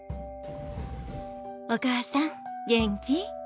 お母さん元気？